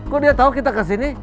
kok dia tahu kita kesini